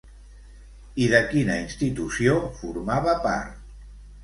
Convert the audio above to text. I de quina institució formava part?